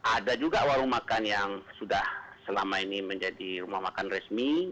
ada juga warung makan yang sudah selama ini menjadi rumah makan resmi